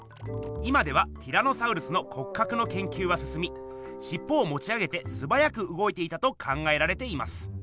今ではティラノサウルスのこっかくのけんきゅうはすすみしっぽをもち上げてすばやくうごいていたと考えられています。